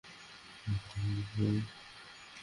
সৈন্য সাহায্য পৌঁছেছে।